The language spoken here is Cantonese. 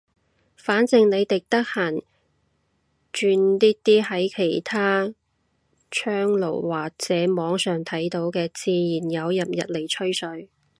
反正你哋得閒轉啲喺其他窗爐或者網上睇到嘅，自然有人入嚟吹水。